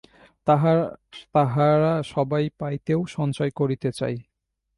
তাহারা সবাই পাইতে ও সঞ্চয় করিতে চায়।